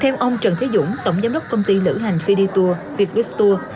theo ông trần thế dũng tổng giám đốc công ty lữ hành phi đi tour